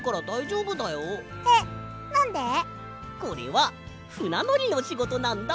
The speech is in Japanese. えっなんで？これはふなのりのしごとなんだ。